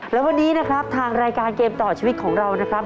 และวันนี้นะครับทางรายการเกมต่อชีวิตของเรานะครับ